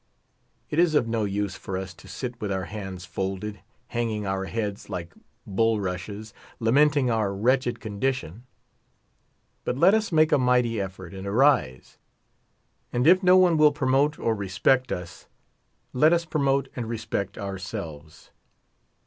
It is of no use for us to sit with our hands folded, hanging our heads like bul rushes, lamenting our wretched condition ; but let us make a mighty effort, and arise ; and if no one will pro mote or respect us, let us promote and respect ourselves.